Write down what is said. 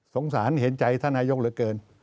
สงสารเห็นใจสทันยกระเกิน